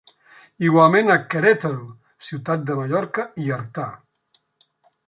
Igualment a Querétaro, Ciutat de Mallorca i Artà.